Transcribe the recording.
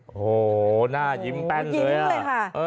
โอ้โฮหน้ายิ้มแป้นเลยอ่ะยิ้มเลยค่ะ